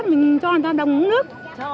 mình cho người ta đồng uống nước